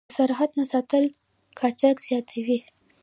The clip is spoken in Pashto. د سرحد نه ساتل قاچاق زیاتوي.